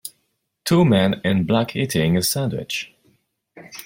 Two men in black eating a sandwich.